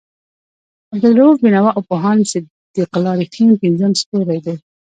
عبالرؤف بېنوا او پوهاند صدیق الله رښتین پنځم ستوری دی.